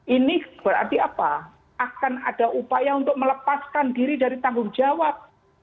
ini berarti apa akan ada upaya untuk melepaskan diri dari tanggung jawab